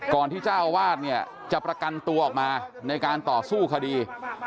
ก่อนที่เจ้าวาดจะประกันตัวออกมาในการต่อสู้คดี